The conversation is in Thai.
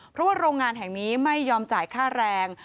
เพราะว่าโรงงานแห่งนี้ไม่ยอมจ่ายค่าแรง